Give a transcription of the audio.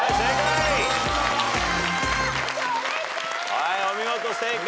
はいお見事正解。